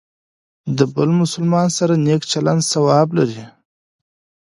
د بل مسلمان سره نیک چلند ثواب لري.